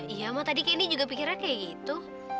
iya ma tadi kenny juga pikirnya kayak gitu